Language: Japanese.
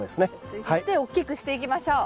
追肥して大きくしていきましょう。